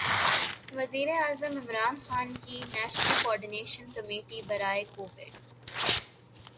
وزیرِ اعظم عمران خان کی نیشنل کوارڈینیشن کمیٹی برائے کوویڈ